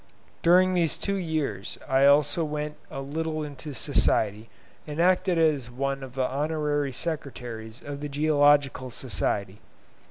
During these two years I also went a little into society, and acted as one of the honorary secretaries of the Geological Society.